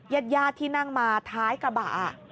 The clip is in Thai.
ญาติญาติที่นั่งมาท้ายกระบะ